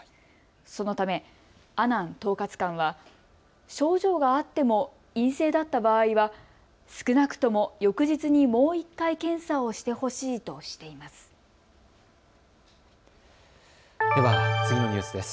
そのため阿南統括官は症状があっても陰性だった場合は少なくとも翌日にもう１回検査をしてほしいとしています。